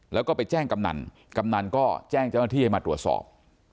แล้วก็ไปแจ้งกำนันกำนันก็แจ้งเจ้าหน้าที่ให้มาตรวจสอบ